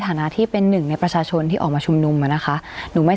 เอากล้องอย่างนี้ใช่มั้ย